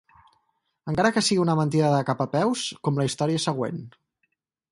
Encara que sigui una mentida de cap a peus, com la història següent.